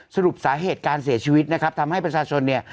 สรุปสาเหตุการเสียชีวิตนะครับทำให้ประชาชนเนี่ย